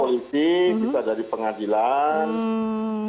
polisi kita dari pengadilan